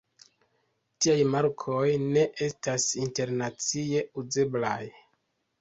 Tiaj markoj ne estas internacie uzeblaj.